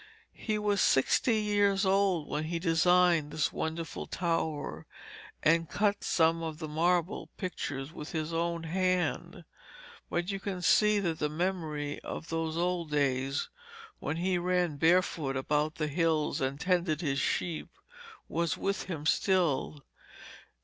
He was sixty years old when he designed this wonderful tower and cut some of the marble pictures with his own hand, but you can see that the memory of those old days when he ran barefoot about the hills and tended his sheep was with him still.